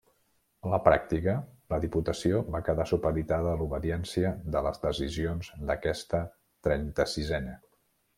A la pràctica, la Diputació va quedar supeditada a l'obediència de les decisions d'aquesta trenta-sisena.